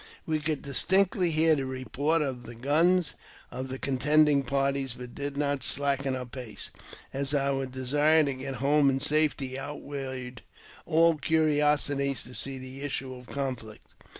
We could distinctly hear the report of the uns of the contending parties, but did not slacken our pace, our desire to get home in safety outweighed all curiosity to isee the issue of the conflict.